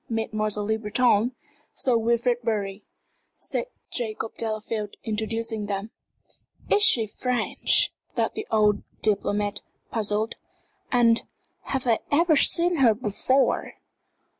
"Mademoiselle Le Breton Sir Wilfrid Bury," said Jacob Delafield, introducing them. "Is she French?" thought the old diplomat, puzzled. "And have I ever seen her before?"